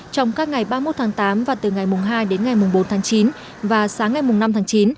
trong các ngày ba mươi một tháng tám và từ ngày hai đến ngày mùng bốn tháng chín và sáng ngày năm tháng chín